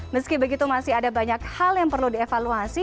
meski begitu masih ada banyak hal yang perlu dievaluasi